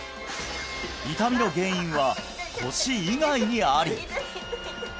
痛みの原因は腰以外にあり！